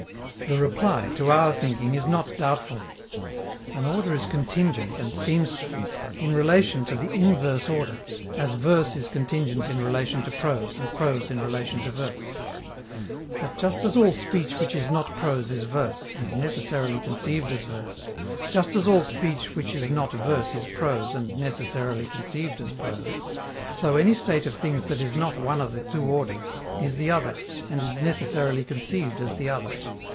The reply, to our thinking, is not doubtful. An order is contingent, and seems so, in relation to the inverse order, as verse is contingent in relation to prose and prose in relation to verse. But, just as all speech which is not prose is verse and necessarily conceived as verse, just as all speech which is not verse is prose and necessarily conceived as prose, so any state of things that is not one of the two orders is the other and is necessarily conceived as the other.